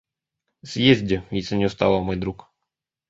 Съезди, если не устала, мой друг.